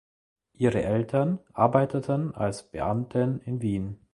Ihre Eltern arbeiteten als Beamten in Wien.